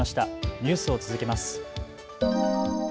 ニュースを続けます。